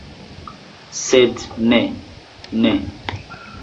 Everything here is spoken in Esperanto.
Sed ne, ne!